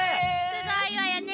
すごいわよね。